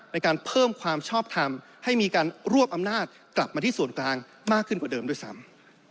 ในการเพิ่มความชอบทำให้มีการรวบอำนาจกลับมาที่ส่วนกลางมากขึ้นกว่าเดิมด้วยซ้ำ